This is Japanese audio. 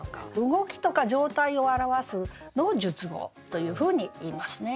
動きとか状態を表すのを述語というふうにいいますね。